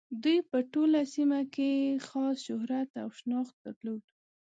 دوی په ټوله سیمه کې یې خاص شهرت او شناخت درلود.